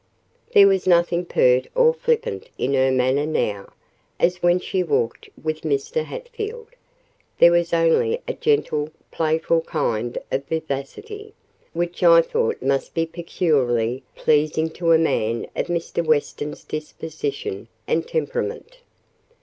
There was nothing pert or flippant in her manner now, as when she walked with Mr. Hatfield, there was only a gentle, playful kind of vivacity, which I thought must be peculiarly pleasing to a man of Mr. Weston's disposition and temperament.